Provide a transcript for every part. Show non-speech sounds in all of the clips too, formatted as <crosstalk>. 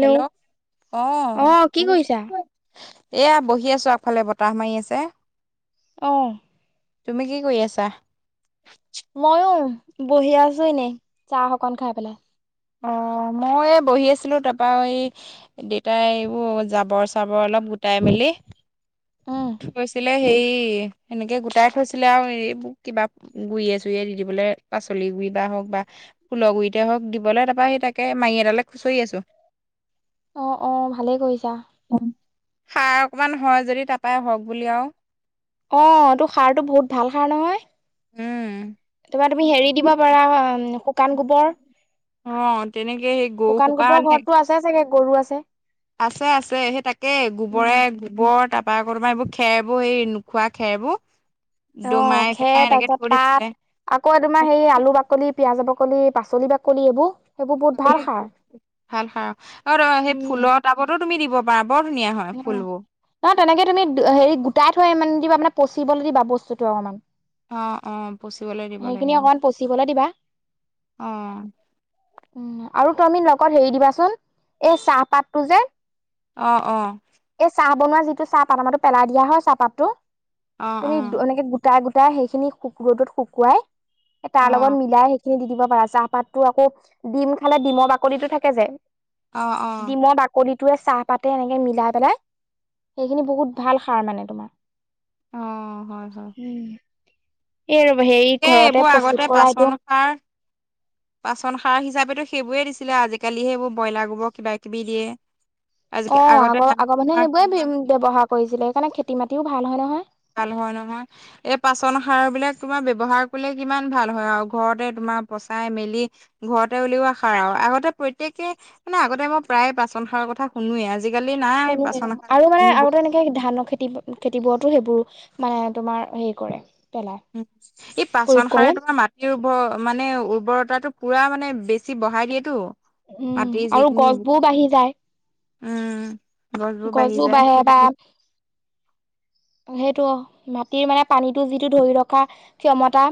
Hello অ'। কি কৰিছা? এয়া বহি আছোঁ, আগফালে বতাহ মাৰি আছে। অ'। তুমি কি কৰি আছা? ময়ো বহি আছোঁ এনেই চাহ অকন খাই পেলাই। অ' মই বহি আছিলোঁ তাৰপা এই দেউতাই এইবোৰ জাবৰ চাবৰ অলপ গোটাই মেলি উম থৈছিলে। হেৰি এনেকে গোটাই থৈছিলে আৰু এইবোৰ কিবা গুৰিয়ে চুৰিয়ে দি দিবলৈ পাচলি গুৰি দিবা হওক বা ফুলৰ গুৰিতে হওক দিবলৈ তাৰপা সেই তাকে মাহি এডালৈ খুচৰি আছোঁ। অ', অ' ভালেই কৰিছা। সাৰ অকমান হয় যদি তাৰাপাই হওক বুলি আৰু। অ' তোৰ সাৰটো বহুত ভাল সাৰ নহয়। উম। তুমি হেৰি দিব পাৰা শুকান গোবৰ অ তেনেকে সেই গৰু সুকা মানে তাকে গৰু আছে আছে আছে। সেই তাকেই গোবৰে গোবৰ তাৰ কৰবা এইবোৰ খেৰ এইবোৰ সেই নোখোৱা খেৰবোৰ অ দমাই খেৰ পেলাই এনেকে তাৰপিছত থৈ পাত, দিছিলে আকৌ তোমাৰ হেই আলু বাকলি, পিয়াজ বাকলি, পাচলি বাকলি এইবোৰ সেইবোৰ বহুত ভাল সাৰ। ভাল সাৰ। অ সেই ফুলৰ টাবতো তুমি দিব পাৰা বৰ ধুনীয়া হয় অ ফুলবোৰ ন তেনেকে তুমি হেৰি গোটাই থৈ ইমান নিদিব মানে পচিবলৈ দিবা বস্তুতটো অকণমান। অ অ পচিবলৈ দিব লাগে। অহ। অকমান পচিবলৈ দিবা উম আৰু তুমি লগত হেৰি দিবাচোন, এই চাহপাতটো যে অঁ অঁ। এই চাহ বনোৱা যিটো চাহপাত, আমাৰো পেলাই দিয়া হয় চাহপাত টো। অ অ তুমি এনেকে গোটাই গ সেইখিনিক ৰ'দত শুকুৱাই অ তাৰ লগত মিলাই খিনি দি দিব পাৰা। চাহপাততো আকৌ, ডিম খালে ডিমৰ বাকলিটো থাকে যে অ অ অ ডিমৰ বাকলিটোয়ে চাহ পাতে এনেকে মিলাই পেলাই, সেইখিনি বহুত ভাল সাৰ মানে তোমাৰ অ হয় হয়। এই ৰব হেৰি এ ঘৰতে এইবোৰ প্ৰস্তুত আগতে কৰা এইটো পাচন সাৰ, পাচন সাৰ হিচাপে সেইবোৰে দিছিলে। আজিকালি এইবোৰ ব্ৰইলাৰ গোবৰ কিবা কিবি দিয়ে। আজি অ আগতে আগৰ-আগৰ মানুহে কিমান সেইবোৰে ব্যৱহাৰ কৰিছিলে। সেইকাৰণে খেতি- মাতিও ভাল হয় নহয়। ভাল হয় নহয়। এই পাচন সাৰ বিলাক তোমাৰ ব্যৱহাৰ কৰিলে কিমান ভাল হয় আৰু ঘৰতে তোমাৰ পচাই মেলি ঘৰতে উলিওৱা সাৰ আৰু, আগতে প্ৰত্যেকেই মানে আগতে মই প্ৰায়ে পাচন সাৰ কথা শুনোৱে। আজিকালি নাই সুনোৱে পাচন সাৰ আৰু মানে কিনো আৰু এনেকে ধানৰ খেতি খেতিবোৰতো সেইবোৰো মানে তোমাৰ হেৰি কৰে। পেলাই উ, ই প্ৰয়োগ পাচন কৰে সাৰে তোমাৰ মাটিৰ উৰ ব মানে উৰ্বৰতাটো পুৰা মানে বেছি বঢ়াই দিয়েতো। উম, মাটিৰ আৰু যিখিনি গছবোৰ বাঢ়ি যায়। উম। গছবোৰ বাঢ়ি গজো যায়। বাঢ়ে বা সেইটো মাটিৰ মানে পানীটো যিটো ধৰি ৰখা ক্ষমতা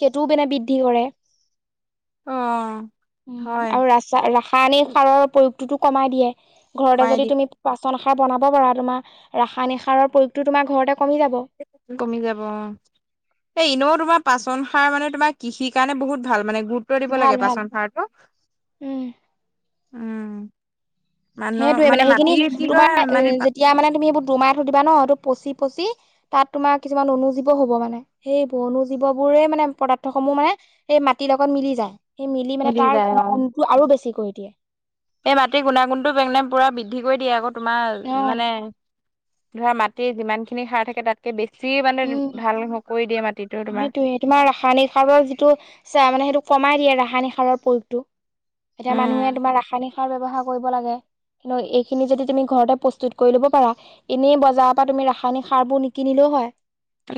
সেইটোও মানে বৃদ্ধি কৰে। অ উ হয় আৰু ৰা-ৰাসায়নিক সাৰৰ প্ৰয়োগটোতো কমাই দিয়ে। ঘৰতে কমাই যদি দিয়ে তুমি পাচন সাৰ বনাব পাৰা, তোমাৰ ৰাসায়নিক সাৰৰ প্ৰয়োগটো তোমাৰ ঘৰতে কমি যাব কমি যাব। এই ইনেও তোমাৰ পাচন সাৰ মানে তোমাৰ কৃষিৰ কাৰণে বহুত ভাল মানে। গুৰুত্ব দিব ভাল লাগে ভাল পাচন সাৰটো। উম উম। মানুহ সেইটোৱে মানে মাটি সেইখিনি কি কয় তোমাৰ মানে যেতিয়া মানে তুমি এইবোৰ দুমাহ দিবা ন সিটো পচি-পচি তাত তোমাৰ কিছুমান অনুজীৱ হ'ব মানে, সেই অনুজীৱ বোৰে মানে মানে পদাৰ্থ সমূহ মানে এই মাটিৰ লগত মিলি যায়। সেই মিলি মানে তাৰ যায় অ গুণটো আৰু বেছি কৰি দিয়ে। এই মাটিৰ <unintelligible> পুৰা বৃদ্ধি কৰি দিয়ে আকৌ তোমাৰ অ মানে ধৰা মাটিৰ যিমান খিনি সাৰ থাকে তাতকে বেছি মানে উম ভাল নকৰি দিয়ে মাটিত। সেইটোয়ে, তোমাৰ ৰাসায়নিক সাৰৰ যিটো চা মানে সেইটো কমাই দিয়ে ৰাসায়নিক সাৰৰ প্ৰয়োগটো। এতিয়া মানুহে উম তোমাৰ ৰাসায়নিক সাৰ ব্যৱহাৰ কৰিব লাগে। লৈ এইখিনি যদি তুমি ঘৰতে প্ৰস্তুত কৰি লব পাৰা, এনে বজাৰৰ পৰা তুমি ৰাসায়নিক সাৰ বোৰ নিকিনিলো হয়।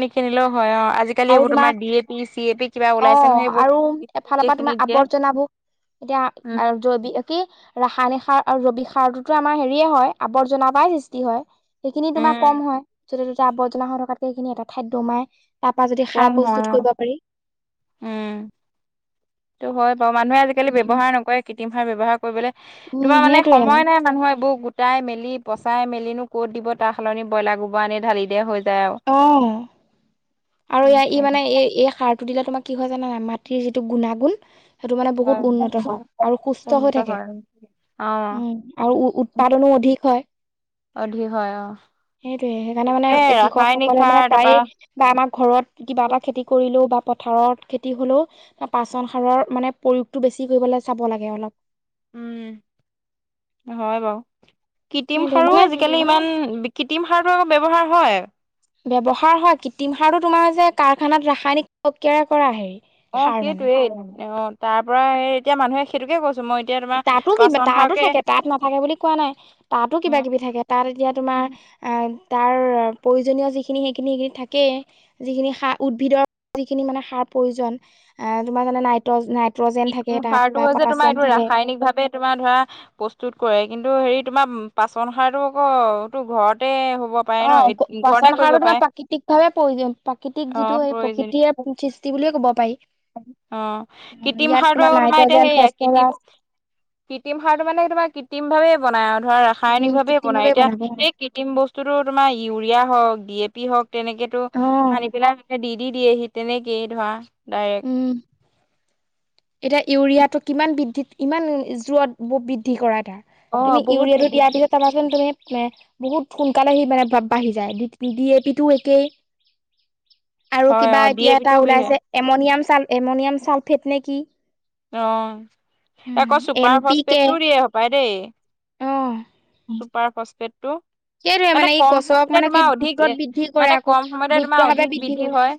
নিকিনিলোঁ। হয় অ' আজিকালি এইবোৰ তোমাৰ D A P, C A P কিবা অ ওলাইছে নহয় আৰু এফালৰ <inaudible> পৰা তোমাৰ এইখিনি দিয়ে। আৱৰ্জনাবোৰ এতিয়া উম জৈৱিক কি ৰাসায়নিক সাৰ আৰু জৈৱিক সাৰটোতো আমাৰ হেৰিয়ে হয় আৱৰ্জনাৰ পৰাই সৃষ্টি হয়, সেইখিনি তোমাৰ কম উম হয় যদি আৱৰ্জনা হৈ থকাতকে সিখিনি এটা ঠাইত দমাই তাৰপৰা যদি সাৰ কম হয় প্ৰস্তুত অ কৰিব পাৰি। উম সেইটো হয় বাৰু মানুহে আজিকালি উম ব্যৱহাৰ নকৰে কৃত্ৰিম সাৰ ব্যৱহাৰ কৰিবলে উম তোমাৰ মানে সেইটোৱে আৰু সময় নাই মানুহে এইবোৰ গোটাই মেলি <unintelligible> পচাই মেলিনো ক'ত দিব তাৰ সলনি ব্ৰইলাৰ গোবাৰ আনি ঢালি দিয়ে হৈ যায়। আৰু অ' আৰু ই- ই মানে এই- এই সাৰ দিলে তোমাৰ কি হয় জানা মাটিৰ যিটো গুণাগুণ সেইটো মানে হয় বহুত উন্নত হয় আৰু সুস্থ হৈ উন্নত থাকে। হয় অ উম, আৰু উ-উ-উৎপাদনো অধিক হয়। অধিক হয় অ সেইটোৱেই সেইকাৰণে মানে তাকে ৰাসায়নিক কৃষকসকল <unintelligible> সাৰ তাৰপা প্ৰায়ে বা আমাৰ ঘৰত কিবা এটা খেতি কৰিলোঁ বা পথাৰত খেতি হ'লেও পচন সাৰৰ মানে প্ৰয়োগতো বেছি কৰিবলৈ চাব লাগে অলপ। উম, হয় বাৰু। কৃত্ৰিম সেইটোৱে সাৰো মানে আজিকালি ইমান কৃত্ৰিম সাৰটো আকৌ ব্যৱহাৰ হয়। ব্যৱহাৰ হয় কৃত্ৰিম সাৰটো তোমাৰ যে কাৰখানাত ৰাসায়নিক প্ৰক্ৰিয়াৰে কৰা হেৰি। অ' সাৰ মানে সেইটোয়েই অ' তাৰ পৰা সেই এতিয়া মানুহে সেইটোকে কৈছ তাতো কিবা তাতো থাকে তাত নাথাকে বুলি কোৱা নাই তাতো কিবা কিবি থাকে তাত এতিয়া তোমাৰ উম <unintelligible> তাৰ প্ৰয়োজনীয় যিখিনি যিখিনি সেইখিনি থাকেই, যিখিনি সাৰ উদ্ভিদৰ যিখিনি মানে সাৰ প্ৰয়োজন এ তোমাৰ যেনে নাইট্ৰজ, নাইট কৃত্ৰিম সাৰটোও যে তোমাৰ এইটো ৰাসায়নিক ভাৱে ভাবে তোমাৰ ধৰা প্ৰস্তুত কৰে কিন্তু হেৰি তোমাৰ পাচন সাৰটো আকৌ টো ঘৰতে হ'ব পাৰে ন অ' ঘৰতে পাচন কৰিব সাৰটো তোমাৰ পাৰে প্ৰাকৃতিক ভাৱে প্ৰয়োজন প্ৰাকৃতিক অ যিটো সেই প্ৰয়োজন প্ৰকৃতিয়ে সৃষ্টি বুলিয়ে ক'ব পাৰি। অ' অ, কি কৃত্ৰিম ইয়াত সাৰটো তোমাৰ এতিয়া নাইট্ৰজেন সেই কৃত্ৰিম, ফচফৰাছ কৃত্ৰিম সাৰটো মানে তোমাৰ কৃত্ৰিম ভাৱে বনাই আৰু। ধৰা উম ৰাসায়নিক ভাৱে বনাই কৃত্ৰিমভাৱে এতিয়া বনাব এই কৃত্ৰিম বস্তুতো তোমাৰ ইউৰিয়া হওঁক ডি এ পি হওঁক। তেনেকেতো অ আনি পেলাই দি দি দিয়েহি তেনেকেই ধৰা। ডাইৰেক্ট উম। এতিয়া ইউৰিয়াটো কিমান বৃদ্ধিত কিমান জোৰত বৃদ্ধি কৰা এটা। অ তুমি বহুত ইউৰিয়াটো বৃদ্ধি দিয়াৰ পিছত <unintelligible> <unintelligible> বহুত সোনকালে সি মানে বা-বাঢ়ি যায় ডি এ পিটো একেই। আৰু হয় কিবা অ ডি এতিয়া এ পি এটা টো বি ওলাইছে এমনিয়াম চাল এমনিয়াম চালফেট নে কি। অ' আকৌ এন চুপাৰ পি কে ফষ্টফেডটোও দিয়ে হপায় অ দেই। চুপাৰ ফষ্টফেডটো। সেইটোয়ে মানে ই গছক মানে কি দ্ৰুতত বৃদ্ধি কৰে মানে আকৌ কম সময়তে দ্ৰুত তোমাৰ ভাৱে অধিক বৃদ্ধি কৰে। হয়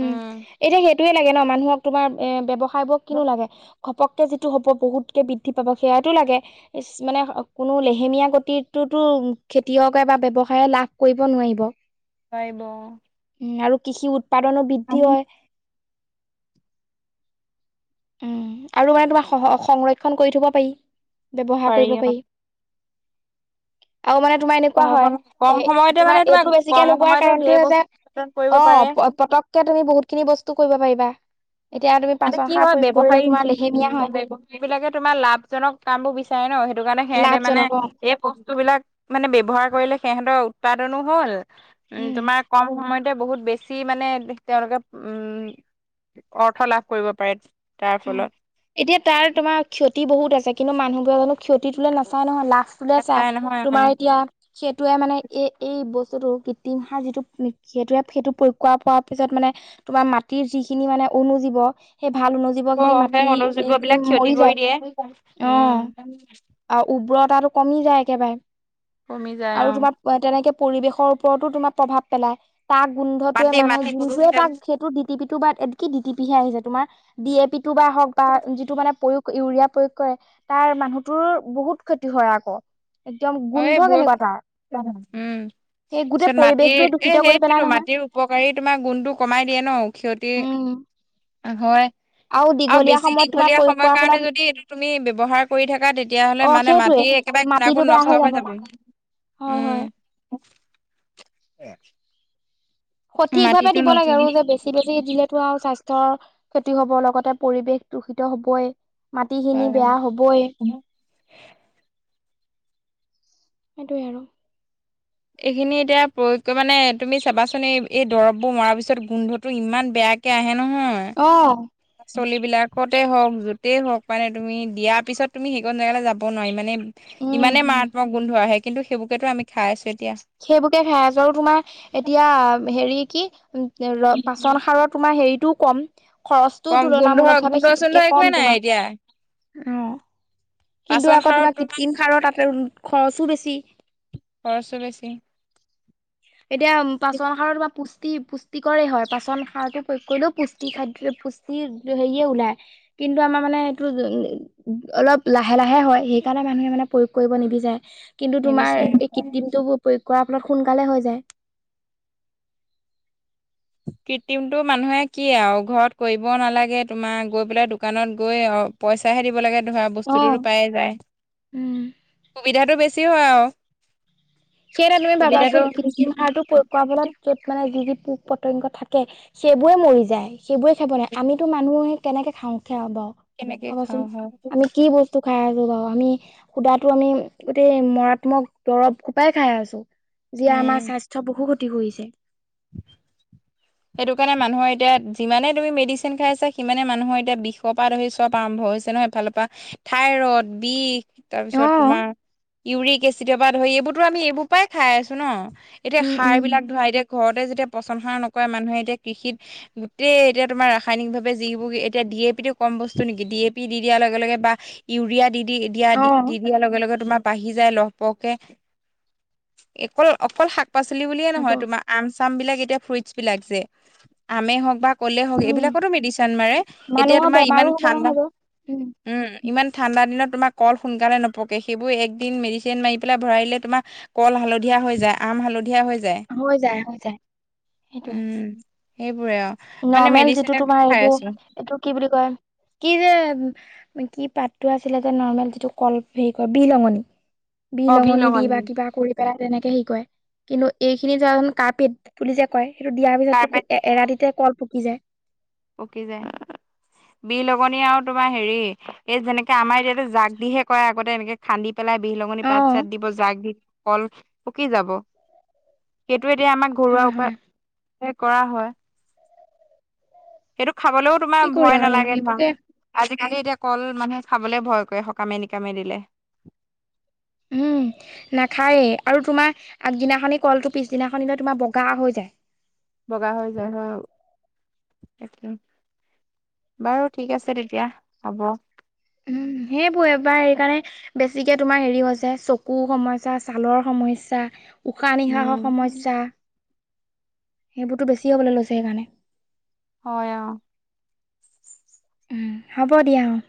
উম সেইটোয়ে লাগে ন' মানুহক তোমাৰ এ ব্যৱসায়বোৰক কিনো লাগে। ঘপককে যিটো হ'ব বহুতকে বৃদ্ধি পাব সেয়াটো লাগে, ইচ মানে কোনো লেহেমীয়া গতিটোত <unintelligible> খেতিয়কে বা ব্যৱসায়ে লাভ কৰিব নোৱাৰিব। পাৰিব। আৰু কৃষি উৎপাদনো বৃদ্ধি হয়। উম, আৰু মানে তোমাৰ স- স-সংৰক্ষণ কৰি থ'ব পাৰি, ব্যৱহাৰ কৰিব পাৰি। আৰু মানে তোমাৰ এনেকুৱা হয়, ঘৰখন কম এ সময়তে মানে তোমাৰ এইটো বেছিকে কম লোগোৱাৰ সময়তে ঢেৰ কাৰণটো হয় যে বস্তু উৎপাদন কৰিব পাৰে অ' প- পতককে তুমি বহুত খিনি বস্তু কৰিব পাৰিবা, এতিয়া তুমি মানে পাচন কি সাৰ প্ৰ <inaudible> ব্যৱসায়ী বিলাকে তোমাৰ লাভজনক কাম বোৰ বিচাৰে ন' সেইটো কাৰণে সিহঁতে মানে লাভজনক অ এই বস্তু বিলাক মানে ব্যৱহাৰ কৰিলে সিহঁতৰ উৎপাদনো হ‌'ল, উম তোমাৰ কম সময়ত সিহঁতে বহুত বেছি মানে তেওঁলোকে উম অৰ্থ লাভ কৰিব পাৰে। তাৰ ফলত এতিয়া তাৰ তোমাৰ ক্ষতি বহুত আছে কিন্তু মানুহবোৰে জানো ক্ষতি টোলে নাচায় নহয় লাভ বুলে নাচাই চাই নহয় তোমাৰ এতিয়া সেইটোৱে মানে এই এই বস্তু। বস্তুটো কৃতিম সাৰ যিটো সেইটোৱে সেইটো প্ৰয়োগ কৰাৰ পোৱা পিছত মানে তোমাৰ মাটিৰ যিখিনি মানে। অনুজীৱ সেই ভাল অনুজীৱ অ খিনি অ মাটি সেই অনুযোগ্য এইখিনি বিলাক ক্ষতি মৰি কৰি যায় দিয়ে অ'। উম আৰু উব্ৰৰতাটো কমি যায় একেবাৰে কমি যায় আৰু অ তোমাৰ তেনেকে পৰিৱেশৰ ওপৰতো তোমাৰ প্ৰভাৱ পেলায়। তাক গোন্ধটোৱে মাটি মানুহ মাটি যোনটোৱে প্ৰদূষিত তাক সেইটো ডি টি পি টো বা কি ডিটি পিহে আহিছে তোমাৰ ডি এ পি। টো বা হওঁক বা যিটো মানে প্ৰয়োগ। ইউৰিয়া প্ৰয়োগ কৰে তাৰ মানুহতোৰ বহুত ক্ষতি হয় আকৌ। একদম এই গোন্ধ কেনেকুৱা তাৰ। <inaudible> উম। সেই গোটেই পিছত মাটিৰ পৰিৱেশটোৱে এ দূষিত কৰি পেলাই সেইটোয়েতো নহয়। মাটিৰ উপকাৰী তোমাৰ গুণটো কমাই দিয়ে ন' ক্ষতি। উম অ', হয়। আৰু দীঘলীয়া বেছি সময়ত তোমাৰ দীঘলীয়া প্ৰয়োগ সময় কৰাৰ কাৰণে ফলত যদি এইটো তুমি ব্যৱহাৰ কৰি থাকা তেতিয়াহ'লে অ মানে মাটি সেইটোৱে মাটি একেবাৰে মাটিটো গুণাগুণ বেয়া নষ্ট হৈ যাব, হয় উম। হয়। <inaudible> সঠিক ভাৱে মাটিটো দিব নষ্ট লাগে আৰু যে বেছি বেছি দিলেতো আৰু স্বাস্থ্যৰ ক্ষতি হ'ব লগতে পৰিৱেশ দূষিত হ'বই। হয় মাটিখিনি হয় বেয়া হ'বই। সেইটোৱে আৰু। এইখিনি এতিয়া প্ৰয়োগ কৰি মানে তুমি চাবাচোন এই এই দৰববোৰ মৰাৰ পিছত গোন্ধটো ইমান বেয়াকে আহে। নহয়। অ', পাচলি বিলাকতে হওক যোতেই হওক মানে তুমি দিয়াৰ পিছত তুমি সেইখন জেগালৈ যাব নোৱাৰি মানে। উম, ইমানে হম, মাৰাত্মক গোন্ধ আহে কিন্তু সেইবোৰকেটো আমি খাই আছো এতিয়া। সেইবোৰকে খাই আছো আৰু তোমাৰ এতিয়া হেৰি কি? ৰ উম, পাচন উম। সাৰৰ তোমাৰ হেৰিটোও ক'ম। খৰচটোও কম গোন্ধ তুলনামূলকভাৱে গোন্ধ চোন্ধ সিটোতকে একোৱে কম নাই তোমাৰ। এতিয়া অ'। কিন্তু পাচন আকৌ সাৰত তোমাৰ কৃত্ৰিম সাৰৰ তাতে খৰচো বেছি। খৰচো বেছি। <inaudible> এতিয়া উম পাচন সাৰৰ বা পুষ্টি পুষ্টিকৰে হয় পাচন সাৰতে কৰিলেও পুষ্টি খাদ্য <unintelligible> হেৰিয়ে ওলায় কিন্তু আমাৰ মানে এইটো অলপ লাহে লাহে হয় সেইকাৰণে মানুহে মানে প্ৰয়োগ কৰিব নিবিচাৰে, কিন্তু তোমাৰ নিবিচাৰে। এই কৃত্ৰিমটো প্ৰয়োগ কৰা অলপ সোনকালে হৈ যায়। কৃত্ৰিমটো মানুহে কি আৰু ঘৰত কৰিব নালাগে তোমাৰ গৈ পেলাই দোকানত গৈ অ'। পইচা হে দিব লাগে। ধৰা বস্তুটোতো পায়ে যায়। উম সুবিধাটো বেছি হয় আৰু। সেই আ তুমি সুবিধাটো ভাবাচোন কৃত্ৰিম সাৰটো প্ৰয়ো <unintelligible> ৱাৰ ফলত য'ত মানে যি যি পোক পতংগ থাকে সেইবোৰে মৰি যায়। সেইবোৰে খাব নোৱাৰে আমিতো মানুহ হে কেনেকে খাও সেয়া বাৰু কেনেকে খাবাচোন খাওঁ হয় আমি কি বস্তু খাই আছো বাপু আমি সুদাতো আমি গোটেই মাৰাত্মক দৰৱ খোপাই খাই আছো যিয়ে উম আমাৰ স্বাস্থ্য বহু ক্ষতি কৰিছে। সেইটো কাৰণে মানুহৰ এতিয়া যিমানে তুমি মেডিচিন খাইছা সিমানে মানুহৰ এতিয়া বিষৰপা ধৰি চব আৰম্ভ হৈছে। এফালৰপা থাইৰড, বিষ। তাৰ অ পিছত তোমাৰ ইউৰিক এচিডৰপা ধৰি এইবোৰতো আমি এইবোৰ পৰাই খাই আছো ন। এতিয়া উম সাৰ উম বিলাক ধৰাই এতিয়া ঘৰতে যেতিয়া পচন সাৰ নকৰে মানুহে এতিয়া কৃষিত গোটেই এতিয়া তোমাৰ ৰাসায়নিকভাৱে যিবোৰ এতিয়া ডি এ পি টো কম বস্তু নেকি ডি এ পি দি দিয়াৰ লগে লগে বা ইউৰিয়া দি দি দিয়া অ দি দি দিয়াৰ লগে লগে তোমাৰ বাঢ়ি যায় লগ। পকে অকল অকল শাক পাচলি বুলিয়ে হ'ব নহয় তোমাৰ। চাম আম বিলাক এতিয়া ফুৰইটছ বিলাক যে আম হক বা ক'লে হওঁক উম এইবিলাকতো মেডিচিন মাৰে এতিয়া মানুহৰ তোমাৰ বেমাৰো ইমান হ'ব ঠাণ্ডা নহয় গৈ উম। ইমান ঠাণ্ডা দিনত তোমাৰ কল সোনকালে নপকে সেইবোৰ একদিন মেডিচিন মাৰি পেলাই ভৰাইলে তোমাৰ কল হালধীয়া হৈ যায়। আম হালধীয়া হৈ যায়। হৈয় যায়। সেইটোৱে, উম সেইবোৰে আৰু মানে নৰ্মেল যিটো মেডিচিনকে তোমাৰ খাই এইবোৰ আছো এইটো কি বুলি কয় কি যে। কি পাতটো আছিলে যে নৰ্মেল যিটো কল হেৰি ক বিৰলঙনি। অ বিৰলঙনি দি বিহলঙনি বা কিবা কৰিবা। তেনেকে হেই কয় কিন্তু এই খিনি যৰান কাৰ পেট বুলি যে কয় সেইটো দিয়াৰ পিছতো কাৰ্পেট দিয়ে অ এৰাটিতে। পকি যায়। পকি যায়, বিৰ লগনীয়া আৰু তোমাৰ হেৰি এই যেনেকে আমাৰ এতিয়াতো জাক দিহে কৰে আগতে এনেকে খান্দি। পেলাই বিহ লগঙনি অ পাত চাত দিব জাগ কল পকি যাব সেই। টো এতিয়া আমাৰ ঘৰুৱা হয় হয় উপায় কৰা হয়। সেইটো খাবলৈও কি তোমাৰ কৰিবা ভয় আৰু নালাগে ধৰা সেইবোৰকে আজি। <unintelligible> এতিয়া কল মানুহে খাবলে ভয় কৰে সকামে নিকামে দিলে। উম। উম, নাখায় আৰু তোমাৰ আগদিনাখনি কলটো পিছদিনাখনলো তোমাৰ বগা হৈ যায়। বগা হৈ যায় হয়, একদম। বাৰু ঠিক আছে, তেতিয়া হ'ব। উম সেইবোৰ এবোৰ সেইকাৰণে বেছিকে তোমাৰ হেৰি হৈছে চকুৰ সমস্যা ছালৰ সমস্যয়া। উশাহ উম নিশাহৰ সমস্যা সেইবোৰতো বেছি হ'বলৈ লৈছে সেইকাৰণে। হয়, অ' উম, হ'ব দিয়া অ'